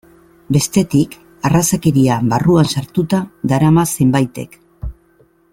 Bestetik, arrazakeria barruan sartuta darama zenbaitek.